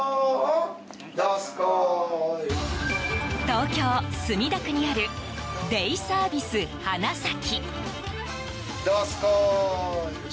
東京・墨田区にあるデイサービス花咲。